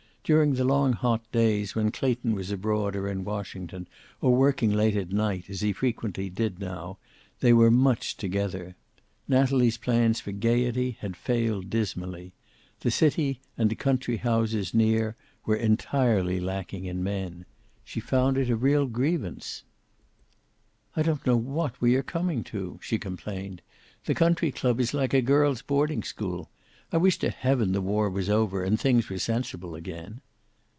During the long hot days, when Clayton was abroad or in Washington, or working late at night, as he frequently did how, they were much together. Natalie's plans for gayety had failed dismally. The city and the country houses near were entirely lacking in men. She found it a real grievance. "I don't know what we are coming to," she complained. "The country club is like a girl's boarding school. I wish to heaven the war was over, and things were sensible again."